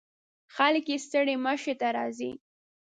خلک یې ستړي مشي ته راځي.